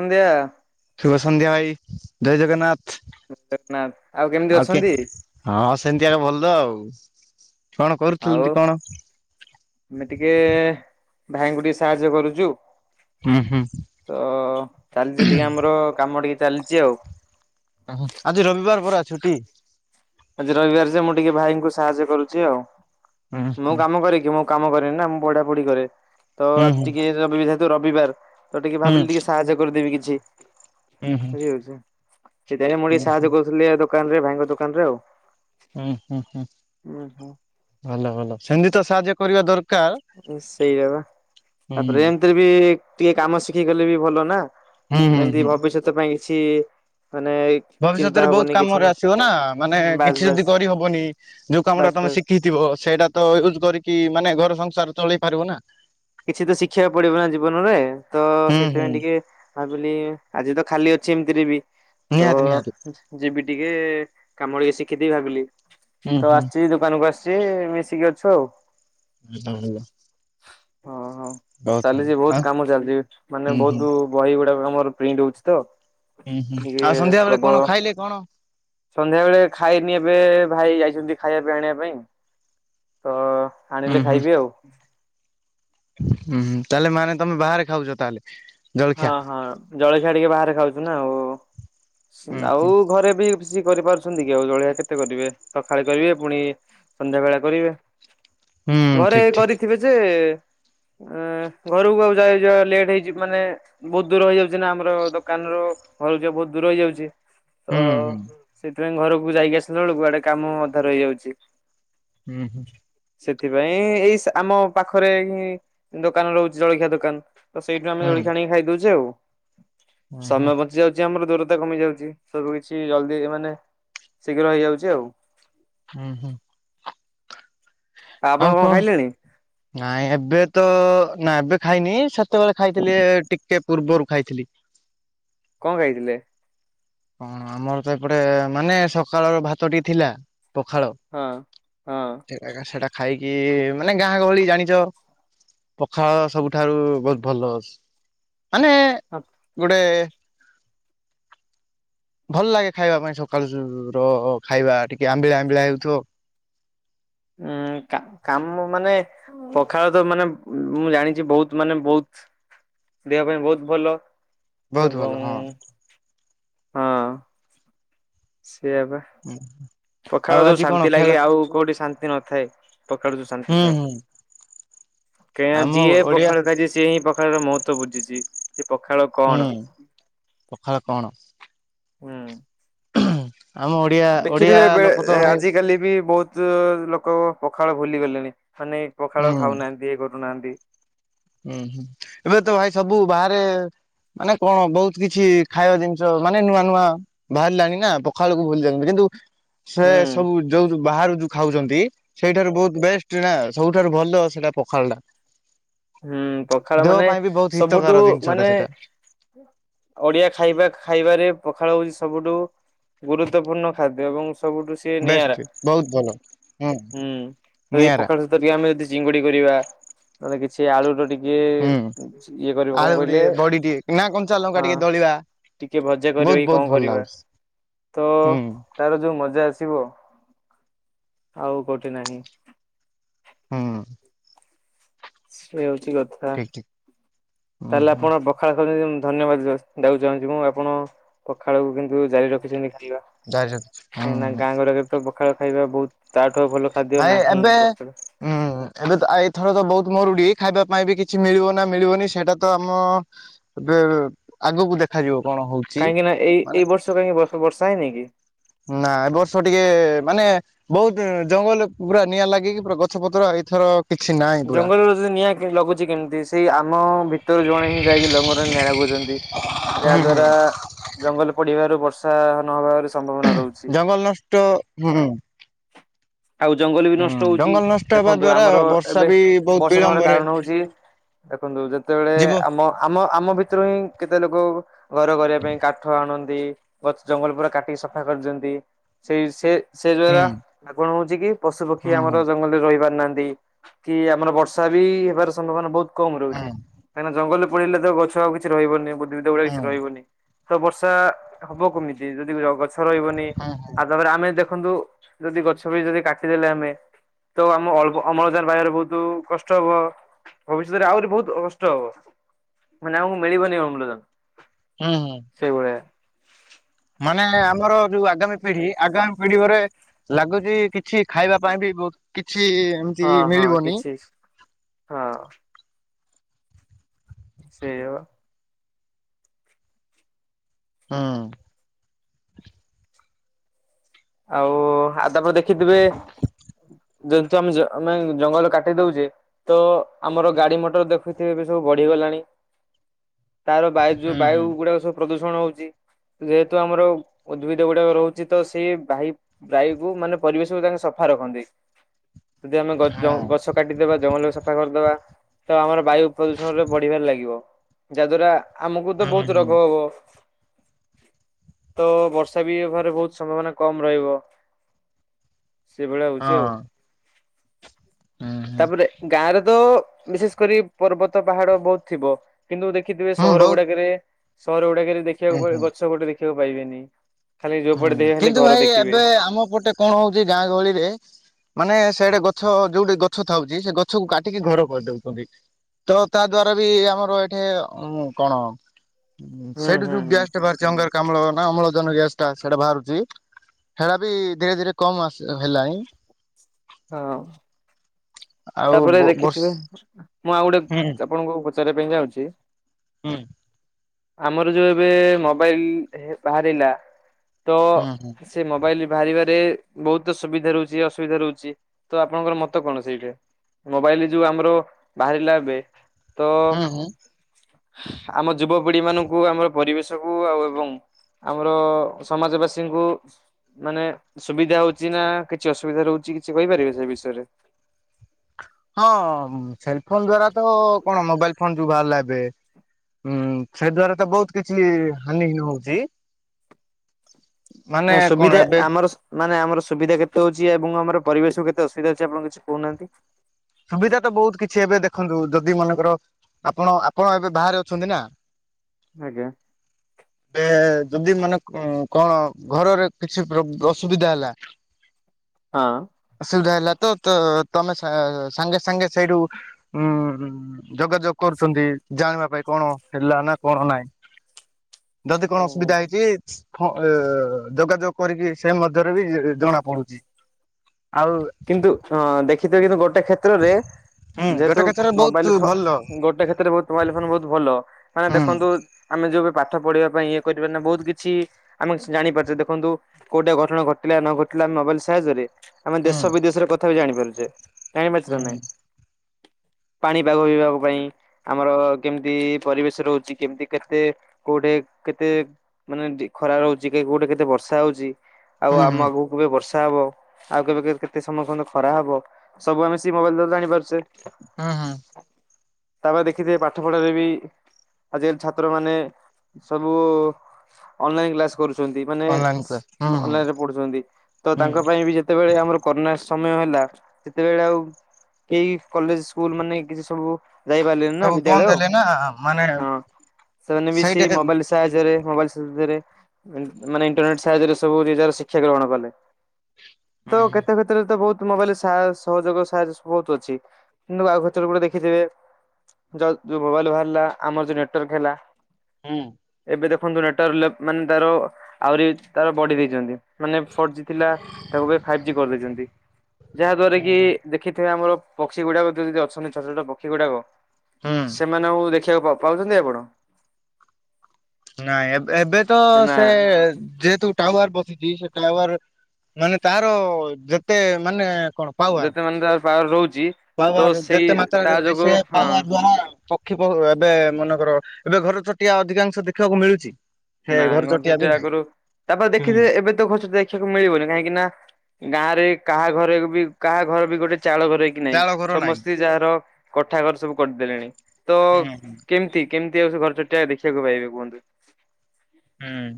ସନ୍ଧ୍ୟା ଶୁଭ ସନ୍ଧ୍ୟା ଭାଇ ଜୟ ଜଗନ୍ନାଥ ଜଗନ୍ନାଥ କେମିତି ଆଉ କେ ଅଛନ୍ତି? ହଁ ଆଉ ସେମିତି ଭଲ ଆଉ । ଆଉ ଆମେ ଟିକେ୍ ଭାଇଙ୍କୁ ଟିକେ ସାହାଯ୍ୟ କରୁଚୁ ହୁଁ ହୁଁ । ଅ ଚାଲିଛି ଟିକେ ଆମର କାମ ଟିକେ ଚାଲିଛି ଆଉ ଆହା ଆଜି ରବିବାର ପରା ଛୁଟି ଆଜି ରବିବାର ଯେ ମୁଁ ଟିକେ ଭାଇଙ୍କୁ ସାହାଯ୍ୟ କରୁଛି ଆଉ ହୁଁ ମୁଁ କାମ କରିକି ମୁଁ କାମ କରେନି ନା ମୁ ପଢା ପୁଢି କରେ ତ ହୁଁ ହୁଁ ଆଜିକି ତ ବାର ଯେହେତୁ ରବିବାର ତ ଟିକେ ହୁଁ ଭାବିଲି ଟିକେ ସାହାଯ୍ୟ କରିଦେବି କିଛି ହୁଁ ହୁଁ ହୁଁ ବୁଝିହୋଉଛି ସେଥିପାଇ ମୁଁ ହୁଁ ଟିକେ ସାହାଯ୍ୟ କରୁଥିଲି ଦୋକାନରେ ଭାଇଙ୍କ ଦୋକାନରେ ଆଉ ହୁଁ ହୁଁ ହୁଁ ଉଁ ହୁଁ ଭଲ ଭଲ ସେମିତି ତ ସାହାଯ୍ୟ କରିବା ଦର ସେଇଆ ବା ହୁଁ ତାପରେ ଏମିତିରେ ବି ଟିକେ କାମ ଶିଖୀ ଗଲେ ବି ଭଲ ନା ହୁଁ ହୁଁ ଯେମିତି ହୁଁ ଭବିଷ୍ୟତି ପାଇଁ କିଛି ମାନେ ଚିନ୍ତା ଭବିଷ୍ୟତରେ ବହୁତ ହବନି କିଛି କାମରେ ନାହିଁ ଆସିବ ନା ମାନେ ବାସ୍ କିଛି ଯଦି ବାସ୍ କରିହବନି ଯୋଉ କାମଟା ବାସ୍ ତମେ ବାସ୍ ଶିଖିଥିବ କ୍ଲୋ ସେଇଟା ତ ୟୁଜ୍ କରିକି ମାନେ ଘର ସଂସାର ଚଲେଇ ପାରିବ ନା କିଛି ତ ଶିଖିବାକୁ ପଡିବ ନା ଜୀବନରେ ତ ହୁଁ ହୁଁ ସେଥିପାଇଁ ଟିକେ ଭାବିଲି ଆଜି ତ ଖାଲି ଅଛି ସେମିତିରେ ବିଇ ନିହାତି ନିହାତି ଟିକେ କାମ ଟିକେ ଶିଖିଦବି ଭାଗିଲି ହୁଁ ତ ହୁଁ ଆସିଚ ଦୋକାନକୁ ଆସି ଜେ ମିଶିକି ଅଛ ଆଉ ଭଲ ଭଲ ହଁ ହଁ ବହୁତ ଭଲ ଚାଲିଛି ବହୁତ ଆଉ କାମ ଚାଲିଛି ମାନେ ହୁଁ ହୁଁ ବହୁତ ବହି ଗୁଡାକ ଆମର ପ୍ରିଣ୍ଟ ହଉଛି ତ ହୁଁ ହୁଁ ଟିକେ ଆଉ ସନ୍ଧ୍ୟା ବେଳେ ପ୍ରବଳ କଣ ଖାଇଲେ କଣ? ସନ୍ଧ୍ୟାବେଳେ ଖାଇନି ଏବେ ଭାଇ ଯାଇଛନ୍ତି ଖାଇବା ପାଇଁ ଆଣିବା ପାଇଁ ତ ହୁଁ ଆଣିଲେ ହୁଁ ଖାଇବି ଆଉ। ହୁଁ - ହୁଁ ତାହେଲେ ମାନେ ତମେ ବାହାରେ ଖାଉଛ ତାହେଲେ। ଜଳଖିଆ। ହଁ- ହଁ ଜଳଖିଆ ଟିକେ ବାହାରେ ଖାଉଛୁ ନା ଆଉ। ହୁଁ ହୁଁ ଆଉ ଘରେ ବି [unintelligible] କରିପାରୁ ଅଛନ୍ତି କି ଆଉ ଜଳଖିଆ କେତେ କରିବେ? ସଖାଳେ କରିବେ ପୁଣି ସନ୍ଧ୍ୟାବେଳେ କରିବେ। ହୁଁ ଘରେ ଠିକ ଠିକ କରିଥିବେ ଯେ ଆ ଘରକୁ ଆଉ ଯାଉ ଯାଉ ଲେଟ୍ ହେଇଛି ମାନେ ବହୁତ ଦୂର ହେଇଯାଉଛି ନା ଆମର ଦୋକାନରୁ ଘରକୁ ଯିବାକୁ ବହୁତ ଦୂର ହେଇଯାଉଛି। ତ ହୁଁ ହୁଁ ସେଥିପାଇଁ ଘରକୁ ଯାଇକି ଆସିଲା ବେଳକୁ ଆଡେ କାମ ଅଧା ରହିଯାଉଛି। ହୁଁ - ହୁଁ। ସେଥିପାଇଁ ଏଇ ଆମ ପାଖରେ ଏଇ ଦୋକାନ ରହୁଛି ଜଳଖିଆ ଦୋକାନ। ତ ସେଇଠୁ ଆମେ ହୁଁ। ଜଳଖି ଆ ଖାଇଦଉଚୁ ଆଉ, ହୁଁ ହୁଁ ସମୟ ବଞ୍ଚି ଯାଉଛି ଆମର ଦୂର ତା କମି ଯାଉଛି ସବୁ କିଛି ଜଲଦି ମାନେ ଶୀଘ୍ର ହେଇଯାଉଛି ଆଉ। ହୁଁ - ହୁଁ। ଆପଣ ଆଉ କଣ? ଖାଇଲେଣି ନାଇଁ ଏବେ ତ ନା ଏବେ ଖାଇନି ସେତେବେଳେ ଖାଇଥିଲି ଟିକେ ପୂର୍ବରୁ ଖାଇଥିଲି। କଣ ଖାଇଥିଲେ? କଣ ଆମର ତ ଏପଟେ ମାନେ ସକାଳର ଭାତ ଟିକେ ଥିଲା। ପଖାଳ ହଁ ହଁ ସେଟା ଏକା ସେଟା ଖାଇକି ମାନେ ଗାଁ ଗହଳି ଜାଣିଛ। ପଖାଳ ସବୁଠାରୁ ବହୁତ ଭଲ। ଅ ମାନେ ଗୋଟେ ଭଲ ଲାଗେ ଖାଇବା ପାଇଁ ସକାଳୁ ଜୁ ର ଖାଇବା ଟିକେ ଆମ୍ବିଳା ଆମ୍ବିଳା ହେଉଥିବ। ଉଁ କା କାମ ମାନେ ପଖାଳ ତ ମାନେ ମୁଁ ଜାଣିଛି ବହୁତ ମାନେ ବହୁତ ଦେହ ପାଇଁ ବହୁତ ଭଲ। ବହୁତ ଭଲ ଏବଂ ହଁ। ହଁ। ସେଇଆ ବା [unintelligible] ପଖାଳ ଆଉ ଯୋଉ ଆଜି କଣ ଶାନ୍ତି ଖେଳ ଲାଗେ ଆଉ କୋଉଠି ଶାନ୍ତି ନଥାଏ। ପଖାଳରେ ଯୋଉ ଶାନ୍ତି ହୁଁ ଥାଏ। ହୁଁ କାଇଁ ନା ଆମ ଯିଏ ଓଡିଆ ପଖାଳ ଟା ସିଏ ହିଁ ପଖାଳର ମହ ତ୍ଵ ବୁଝିଛି, ଯେ ପଖାଳ ହୁଁ କଣ? ପଖାଳ କଣ ହୁଁ। ଆମ ଓଡିଆ ଓଡିଆ ଦେଖିଥିବେ ଏବେ ଲୋକ ତ ଭାଇ ହୁଁ ଆଜିକାଲି ବି ବହୁତ ଯୋଉ ଲୋକ ପଖାଳ ଭୁଲି ଗଲେଣି ମାନେ ପଖାଳ ଖାଉନାହାନ୍ତି ଇଏ କରୁନାହାନ୍ତି। ହୁଁ- ହୁଁ ଏବେ ତ ଭାଇ ସବୁ ବାହାରେ ମାନେ କଣ ବହୁତ କିଛି ଖାଇବା ଜିନିଷ, ମାନେ ନୂଆ ନୂଆ ବାହାରିଲାଣି ନା ପଖାଳ କୁ ଭୁଲିି ଯାଉଛନ୍ତି। କିନ୍ତୁ ସେ ହୁଁ ସବୁ ଯୋଉ ବାହାରୁ ଯୋଉ ଖାଉଛନ୍ତି, ସେଇଠାରୁ ବହୁତ ବେଷ୍ଟ ନା ସବୁଠାରୁ ଭଲ ସେଇଟା ପଖାଳଟା। ହୁଁ ପଖାଳ ମାନେ ସବୁଠୁ ହିତକାର ଜିନିଷ ଟା ମାନେ ସେଇଟା। ଓଡିଆ ଖାଇବା ଖାଇବାରେ ପଖାଳ ହଉଛି ସବୁଠୁ ଗୁରୁତ୍ୱପୂର୍ଣ୍ଣ ଖାଦ୍ୟ ଏବଂ ସବୁଠୁ ସେ ନିଆରା। ବେଷ୍ଟ ବହୁତ ଭଲ ହୁଁ ଯଦି ନିଆରା ପଖାଳ ସହିତ ଟିକେ ଆମେ ଯଦି ଚିଙ୍ଗୁଡି କରିବା, ନହେଲେ କିଛି ଆଳୁର ଟିକେ ହୁଁ ଇଏ ଇଏ କରିବେ କଣ ଆଳୁ ଟିକେ କହିଲେ ବଡି ଟିକେ ନା କଞ୍ଚା ଲଙ୍କା ହଁ। ଟିକେ ଦଳିବା ଟିକେ ଭଜା କରିବା ବହୁତ କି ବହୁତ କଣ ଭଲ କରିବା, ଲାଗୁଛି ତ ହୁଁ ତାର ଯୋଉ ମଜା ଅଛି ଥିବ ଆଉ କୋଉଠି ନାହିଁ? ହୁଁ। ସେଇଆ ହଉଛି କଥା, ଠିକ ଠିକ ହୁଁ ତାହେଲେ ହୁଁ ଆପଣ ପଖାଳ ଖାଉଛନ୍ ଧନ୍ୟବାଦ [unintelligible] ଆପଣ ପଖାଳକୁ କିନ୍ତୁ ଜାରି ରଖିଛନ୍ତି। କାହିଁକି ନା ହୁଁ ଗାଁ ଗୁଡ଼ାରେ ତ ପଖାଳ ଖାଇବା ବହୁତ୍ ନାଇଁ ଏବେ ଉଁ ଏବେ ତ ଏଇଥର ତ ବହୁତ ମରୁଡି ଖାଇବା ପାଇଁ ବି କିଛି ମିଳିବ ନା ମିଳିବନି ସେଇଟା ତ ଆମ ବେ ଆଗକୁ ଦେଖାଯିବ। କଣ ହଉଛି କାହିଁକି ନା ଏଇ ମାନେ ଏଇ ବର୍ଷ କାହିଁକି ବର୍ଷ ବର୍ଷା ହେଇନି କି? ନା ଏବର୍ଷ ଟିକେ ମାନେ ବହୁତ ଜଙ୍ଗଲ ପୁରା ନିଆଁ ଲାଗିକି ପୁରା ଗଛ ପତ୍ର ଏଇଥର କିଛି ନାହିଁ ପୁରା ଜଙ୍ଗଲରେ ଯଦି ନିଆଁ କେମିତି ଲାଗୁଛି କେମିତି ସେଇ ଆମ ଭିତରୁ ଜଣେ ହିଁ ଯାଇକି ଜଙ୍ଗଲରେ ନିଆଁ ଲଗଉଚନ୍ତି । ଯା ଦ୍ଵାରା ଜଙ୍ଗଲ ପୋଡିବାରୁ ବର୍ଷା ନହବାରୁ ଜଙ୍ଗଲ ନଷ୍ଟ ହୁଁ, ଆଉ ଜଙ୍ଗଲ ବି ନଷ୍ଟ ହୁଁ ହଉଛି ଜଙ୍ଗଲ ନଷ୍ଟ ହେବା ଦେଖନ୍ତୁ ଦ୍ଵାରା ଆମର ବର୍ଷା ଏବେ ବି ବହୁତ ବର୍ଷା ନ ହେବାର ବିଳମ୍ବରେ କାରଣ ହଉଚି ଦେଖନ୍ତୁ ଯେତେବେଳେ ଯିବ। ଆମ ଆମ ଆମ ଭିତରୁ ହିଁ କେତେ ଲୋକ ଘର କରିବା ପାଇଁ କାଠ ଆଣନ୍ ନ୍ତି ଗଛ ଜଙ୍ଗଲ ପୁରା କାଟିକି ସଫା କରିଦିଅନ୍ତି, ସେଇ ସେ ସେ ହୁଁ ଦ୍ଵାରା ଆପଣ କି ପଶୁ ପକ୍ଷୀ ହୁଁ ହୁଁ ଆମର ଜଙ୍ଗଲରେ ରହି ପାରୁନାହାନ୍ତି କି ଆମର ବର୍ଷା ବି ହେବାର ସମ୍ଭାବନା ବହୁତ କମ ହୁଁ ରହୁଛି କାହିଁକିନା ଜଙ୍ଗଲରେ ପଳିଲେ ତ ଗଛ ଆଉ କିଛି ରହିବନି ବୁଦ୍ଧିଧ ଭଳିଆ ହୁଁ କିଛି ରହିବନି। ତ ବର୍ଷା ହବ କେମିତି ଯଦି ଗଛ ରହିବନି ହୁଁ ହୁଁ ଆ ତାପରେ ଆମେ ଦେଖ ଦେଖନ୍ତୁ ଯଦି ଗଛ ବି ଯଦି କାଟିଦେଲେ ଆମେ ତ ଆମ ଅମଳଜାନ ପାଇବାର ବହୁତ କଷ୍ଟ ହବ ଭବିଷ୍ୟତରେ ଆହୁରି ବହୁତ କଷ୍ଟ ହବ। ମାନେ ଆମକୁ ମିଳିବନି ଅମ୍ଳଜାନ। ହୁଁ ହୁଁ, ସେଇଭଳିଆ। ମାନେ ଆମର ଯୋଉ ଆଗାମୀ ପିଢି ଆଗାମୀ ପିଢିରେ ଲାଗୁଛି କିଛି ଖାଇବା ପାଇଁ ବି ବହୁତ କି କିଛି ଏମତି ହଁ ହଁ ମିଳିବନି। କିଛି ହଁ ସେଇଆ ବା। ହୁଁ, ଆଉ ଆ ତାପରେ ଦେଖିଥିବେ ଯେହେତୁ ଆମେ ନାଇଁ ଜଙ୍ଗଲ କାଟି ଦଉଚେ ତ ଆମର ଗାଡି ମଟର ଦେଖୁଥିବେ ବି ସବୁ ବଢିବା ତାର ବାୟୁ ହୁଁ ବାୟୁ ହୁଁ ଗୁଡାକ ସବୁ ପ୍ରଦୁ ହଉଛି ଯେହେତୁ ଆମର ଉଦ୍ଭିଦ ଗୁଡାକ ରହୁଛି ତ ସିଏ ଭାଇ ବାୟୁକୁ ମାନେ ପରିବେଶକୁ ତାଙ୍କେ ସଫା ରଖନ୍ତି। ଯଦି ଆମେ ଗଛ ହଁ ଜଙ୍ଗ କାଟିଦବା ଜଙ୍ଗଲକୁ ସଫା କରିଦବା ତ ଆମର ବାୟୁ ପ୍ରଦୂଷଣରେ ବଢିବାରେ ଲାଗିବ ଯାଦ୍ୱାରା ଆମକୁ ତ ହୁଁ ବହୁତ ରୋଗ ହୁଁ ହବ। ତ ବର୍ଷା ବି ହବାରେ ବହୁତ ସମ୍ଭାବନା କମ ରହିବ ସେଭଳିଆ ହଁ ହଉଛି ଆଉ। ହୁଁ ହୁଁ ତାପରେ ଗାଁରେ ତ ବିଶେଷ କରି ପର୍ବତ ପାହାଡ ବହୁତ ଥିବ। କିନ୍ତୁ ଦେଖିଥିବେ ହୁଁ ସହର ବହୁତ ଗୁଡାକେରେ ସହର ଗୁଡାକେରେ ହୁଁ ଦେଖିବାକୁ ହୁଁ ଗଛ ଗୁଟେ ଦେଖିବାକୁ ପାଇବେନି। ଖାଲି ଯୋଉ ପଟେ ଦେବେ ହୁଁ ଖାଲି କିନ୍ତୁ ଘର ଭାଇ ଦେଖିବେ। ଏବେ ଆମ ପଟେ କଣ ହଉଛି ଗାଁ ଗହଳିରେ ମାନେ ସିଆଡେ ଗଛ ଯୋଉଠି ଗଛ ଥାଉଛି ସେ ଗଛକୁ କାଟିକି ଘର କରିଦଉଛନ୍ତି। ତ ତା ଦ୍ଵାରା ବି ଆମର ଏଠେ କଣ ହଁ ହୁଁ ସେଇଠୁ ହୁଁ ଯୋଉ ହୁଁ ଗ୍ୟାସ ଟା ବାହାରିଛି ଅଙ୍ଗାର କାମ୍ଳ ନା ଅମ୍ଳଜାନ ଗ୍ୟାସ ସେରା ବାହାରୁଛି ହେରା ବି ଧୀରେ ଧୀରେ କମ ଆସ ହେଲାଣି। ହଁ, ଆଉ ତାପରେ ବ ବର୍ଷ ଦେଖିଥିବେ ମୁଁ ଆଉ ଗୋଟେ ହୁଁ ଆପଣଙ୍କୁ ପଚାରିବା ପାଇଁ ଯାଉଛି ହୁଁ, ଆମର ଯୋଉ ଏବେ ମୋବାଇଲ ବାହାରିଲା ତ ହୁଁ ହୁଁ ସେ ମୋବାଇଲ ବାହାରିବାରେ ବହୁତ ସୁବିଧା ରହୁଛି ଅସୁବିଧା ରହୁଛି ତ ଆପଣଙ୍କର ମତ କଣ ସେଇଠେ ମୋବାଇଲ ଯୋଉ ଆମର ବାହାରିଲା ଏବେ ତ ହୁଁ ହୁଁ ଆମ ଯୁବକ ବୁଢୀ ମାନଙ୍କୁ ଆମର ପରିବେଶକୁ ଆଉ ଏବଂ ଆମର ସମାଜ ବାସୀଙ୍କୁ ମାନେ ସୁବିଧା ହଉଛି ନା କିଛି ଅସୁବିଧା ରହୁଛି କିଛି କହିପାରିବେ ସେ ବିଷୟରେ ହଁ ସେଲ ଫୋନ ଦ୍ଵାରା ତ କଣ ମୋବାଇଲ ଫୋନ ଯଉ ବାହାରିଲା ଏବେ। ହୁଁ ସେ ଦ୍ଵାରା ତ ବହୁତ କିଛି ହାନି ହିନି ହଉଛି। ମାନେ ନା କଣ ସୁବିଧା ଏବେ ଆମର ଶୁ ମାନେ ଆମର ସୁବିଧା କେତେ ହଉଛି ଏବଂ ଆମର ପରିବେଶ କେତେ ଅସୁବିଧା ହଉଛି ଆପଣ କିଛି କହୁନାହାନ୍ତି। ସୁବିଧା ତ ବହୁତ କିଛି ଏବେ ଦେଖନ୍ତୁ ଯଦି ମନେଙ୍କର ଆପଣ ଆପଣ ଏବେ ବାହାରେ ଅଛନ୍ତି ନା? ଆଜ୍ଞା। ଏବେ ଯଦି ମାନେ କ-କଣ ଘରରେ କିଛି ପ୍ରୋ ଅସୁବିଧା ହେଲା। ଅସୁବିଧା ହେଲା ତ-ତ-ତମେ ଶା ସାଙ୍ଗେ ସାଙ୍ଗେ ସେଇଠୁ ଉଁ ଯୋଗାଯୋଗ କରୁଛନ୍ତି ଜାଣିବା ପାଇଁ କଣ ହେଲା ନା କଣ ନାଇଁ। [inaudible] ଯଦି କଣ ହଁ। ଅସୁବିଧା ଓହୋ ହେଇଛି ଅ-ଅ ଯୋଗାଯୋଗ କରିକି ସେ ମଧ୍ୟରେ ବି ଜଣା ପଡୁଛି। ଆଉ କିନ୍ତୁ ହଁ ଦେଖିଥିବ କିନ୍ତୁ ଗୋଟେ ଗୋଟେ କ୍ଷେତ୍ରରେ ଯେହେତୁ ଗୋଟା କଥାରେ ମୋବାଇଲ ବହୁତ ଫୋ ଭଲ ଗୋଟେ କ୍ଷେତ୍ରରେ ବହୁତ ମୋବାଇଲ ଫୋନ ବହୁତ ଭଲ। ମାନେ ହୁଁ ଦେଖନ୍ତୁ ଆମେ ଆମେ ଯୋଉ ପାଠ ପଢିବା ପାଇଁ ଇଏ କରିପାର ନା ବହୁତ କିଛି ଆମେ ଜାଣିପାରୁଛେ ଦେଖନ୍ତୁ କୋଉଠି ଅଘଟଣ ଘଟିଲା ନ ଘଟିଲା ମୋବାଇଲ ସାହାଯ୍ୟରେ ଆମେ ହୁଁ। ଦେଶ ବିଦେଶର କଥା ବି ଜାଣିପାରୁଛେ, ଜାଣି ପାରୁଛେ ହୁଁ ନା ନାଇଁ? ପାଣିପାଗ ବିଭାଗ ପାଇଁ ଆମର କେମିତି ପରିବେଶ ରହୁଛି କେମିତି କେତେ କୋଉଠି କେତେ ମାନେ ଖରା ରହୁଛି କି କୋଉଠି କେତେ ବର୍ଷା ହଉଚି ଆଉ ହୁଁ ଆମ ହୁଁ। ଆଗକୁ କେବେ ବର୍ଷା ହବ ଆଉ କେବେ କେ କେ କେତେ ସମସ୍ତଙ୍କ ଖରା ହବ ସବୁ ସେଇ ମୋବାଇଲ୍ ଜାଣିପାରୁଛେ। ହୁଁ ହୁଁ। ତାପରେ ଦେଖିଥେ ପାଠ ପଢାରେ ବି ଆଜିକାଲି ଛାତ୍ର ମାନେ ସବୁ ଅନଲାଇନ୍ କ୍ଲାସ୍ କରୁଛନ୍ତି ମାନେ ଅନଲାଇନ କ୍ଲାସ ହୁଁ ହୁଁ ଅନଲାଇନରେ ପଢ଼ୁଛନ୍ତି ତ ହୁଁ ତାଙ୍କ ପାଇଁ ବି ଯେତେବେଳେ ଆମର କରୋ ସମୟ ହେଲା ସେତେବେଳେ ଆଉ କେହି କଲେଜ ସ୍କୁଲ ମାନେ କିଛି ସବୁ ଯାଇପାରିଲନି ନା ସବୁ ବିଦ୍ୟାଳୟ, ବନ୍ଦ ହେଲେ ନା ମାନେ ହଁ ସେମାନେ ବି ସେଇଟା ସେଇ ମୋବାଇଲ ସାହାଯ୍ୟରେ ମୋବାଇଲ ଫେରେ ମାନେ ଇଣ୍ଟରନେଟ ସାହାଯ୍ୟରେ ସବୁ ନିଜର ଶିକ୍ଷା ଗ୍ରହଣ କଲେ। ତ ହୁଁ ହୁଁ। କେତେ କ୍ଷେତ୍ରରେ ବହୁତ ମୋବାଇଲ ସାହ-ସହଯୋଗ ସାହାଯ୍ୟ ବହୁତ ଅଛି, କିନ୍ତୁ ଆଉ ଗୋଟେ ଦେଖିଥିବେ ଯଉ ଯୋଉ ମୋବାଇଲ ବାହାରିଲା ଆମର ଯୋଉ ନେଟୱାର୍କ ହେଲା ହୁଁ। ଏବେ ଦେଖନ୍ତୁ ନେଟୱାର୍କ ଲେ ମାନେ ତାର ଆହୁରି ତାର ବଢି ଦେଇଛନ୍ତି, ମାନେ ଫୋର୍ ଜି ଥିଲା ତାକୁ ଏବେ ଫାଇଭ କରିଦେଇଛନ୍ତି ଯାହା ଦ୍ଵାରା କି ଦେଖିଥିବେ ଆମର ପକ୍ଷୀ ଗୁଡାକ ଯୋଉ ଅଛନ୍ତି ଛୋଟ ଛୋଟ ପକ୍ଷୀ ଗୁଡାକ ହୁଁ ସେମାନଙ୍କୁ ଦେଖିବାକୁ ପାଉ ପାଉଛନ୍ତି ଆପଣ? ନାଇଁ ଏବେ ଏବେ ତ ନା ସେ ଯେହେତୁ ଟାୱାର ବ ଦିସ ଟାୱାର ମାନେ ତାର ଯେତେ ମାନେ କଣ ପାୱାର, ଯେତେ ମାନେ ତାର ପାୱାର ରହୁଛି ତ ପାୱାର ସେଇ ଯେତେ ତା ମାତ୍ରାରେ ଯୋଗୁ ସେ ହଁ ପାୱାର ଦ୍ଵାରା ଏବେ ମନେକର ଏବେ ଘର ଚଟିଆ ଅଧିକାଂଶ ଦେଖିବାକୁ ମିଳୁଛି? ସେ ନା ଘର ବି ଚଟିଆ ନାହିଁ। ଆଗରୁ ତାପରେ ହୁଁ। ଦେଖିଥିବେ ଏବେ ତ ଘଛ ଦେଖିବାକୁ ମିଳିବନି କାହିଁକି ନା ଗାଁରେ କାହା ଘରେ ବି କାହା ଘର ବି ଗୋଟେ ଚାଳ ଘରେ କି ନାହିଁ ଚାଳ ଘର ନାହିଁ ସମସ୍ତେ ଯାହାର କୋଠା ଘର ସବୁ କରିଦେଲେଣି ତ ହୁଁ ହୁଁ କେମିତି କେମିତି ଆଉ ସେ ଘର ଚଟିଟା ଦେଖିବାକୁ ପାଇବେ କୁହନ୍ତୁ। ହୁଁ।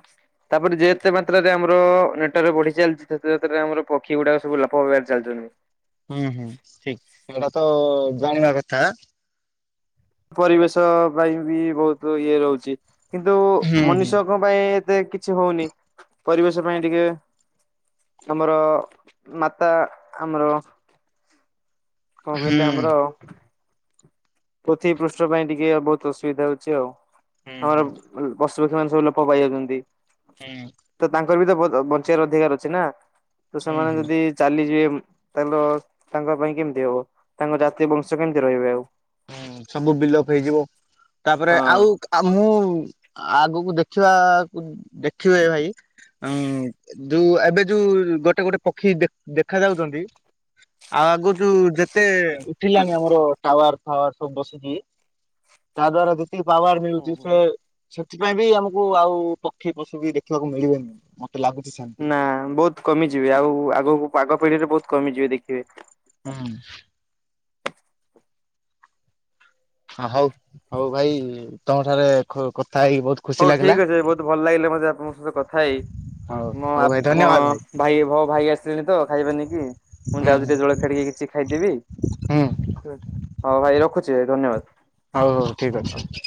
ନମସ୍କାର। ତାପରେ ଯେତେ ମାତ୍ରାରେ ଆମର ନେଟୱର୍କ ବଢି ଚାଲିଛି ସେତେ ମାତ୍ରାରେ ଆମର ପକ୍ଷୀ ଗୁଡାକ ସବୁ ଲୋପ ହେବାରେ ଚାଲୁଛନ୍ତି। ହୁଁ ହୁଁ ଠିକ ସେଟା ତ ଜାଣିବା କଥା। ପରିବେଶ ପାଇଁ ବି ବହୁତ ଇଏ ରହୁଛି, କିନ୍ତୁ ହୁଁ ହୁଁ ମନୁଷ୍ୟଙ୍କ ପାଇଁ ଏତେ କିଛି ହଉନି ପରିବେଶ ପାଇଁ ଟିକେ ଆମର ମାତା ଆମର କଣ ହୁଁ। କହିଲେ ଆମର ପୋଥିବ ପୃଷ୍ଠ ପାଇଁ ଟିକେ ବହୁତ ଅସୁବିଧା ହଉଛି ଆଉ ହୁଁ ହଁ ହୁଁ [unintelligible] ଲୋକ ପାଇ ଯାଉଛନ୍ତି। ହୁଁ। ର ବି ତ ବଞ୍ଚିବାର ଅଧିକାର ଅଛି ନା ତ ହୁଁ ହୁଁ ସେମାନେ ହୁଁ ଯଦି ଚାଲିଯିବେ ତାେଲେ ତାଙ୍କ ପାଇଁ କେମିତି ହବ ତାଙ୍କ ଜାତୀୟ ବଂଶ କେମିତି ରହିବେ ଆଉ। ହୁଁ ସବୁ ବିଲପ ହେଇଯିବ। ତାପରେ ହଁ। ଆଉ ମୁଁ ଆଗକୁ ଦେଖିବାକୁ ଦେଖିବେ ଭାଇ ଉ ଯୋଉଁ ଏବେ ଯୋଉଁ ଗୋଟେ ଗୋଟେ ପକ୍ଷୀ ଦେଖା ଯାଉଛନ୍ତି। ଆଉ ଆଗ ଯେତେ ଉଠିଲାନି ଆମର ଟାୱାର ଟାୱାର ସବୁ ବସିଛି ତା ଦ୍ଵାରା ଯେତିକି ପାୱାର ଦେଉଚି ହୁଁ ସିଏ ହୁଁ। ସେଥିପାଇଁ ବି ଆମକୁ ଆଉ ପକ୍ଷୀ ପଶୁ ବି ଦେଖିବାକୁ ମିଳିବେନି। ଲାଗୁଛି ସେମିତି। ନା ବହୁତ କମିଯିବେ ଆଉ ଆଗକୁ ଆଗ ପିଢିରେ ବହୁତ କମିଯିବେ ଦେଖିବେ। ହଁ। ହଉ ହଉ ଭାଇ ତମ ଠାରେ ହେଇକି ବହୁତ ଖୁସି ହଉ ଲାଗିଲା ଠିକ ଅଛି ବହୁତ ଭଲ ଲାଗିଲେ ମତେ ଆପଣଙ୍କ ସହିତ କଥା ହେଇ ହଉ ମୋ ହଉ ଭାଇ ମୋ ଧନ୍ୟବାଦ ଭାଇ ଭଉ ଭାଇ ଆସିିଲଣି ତ ଖାଇବା ନେଇକି। ମୁଁ ହୁଁ ଯାଉଛି ଟ ହୁଁ ଜଳଖିଆ ଟିକେ କିଛି ଖାଇଦେବି। ହୁଁ ହଁ ଭାଇ ରଖୁଛି। ଭାଇ ଧନ୍ୟବାଦ। ହଉ ହଉ ଠିକ ଅଛି।